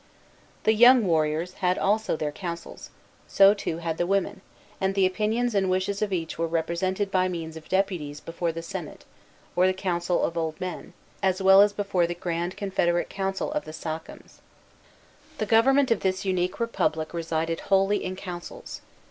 Lafitau, I. 478. The young warriors had also their councils; so, too, had the women; and the opinions and wishes of each were represented by means of deputies before the "senate," or council of the old men, as well as before the grand confederate council of the sachems. The government of this unique republic resided wholly in councils.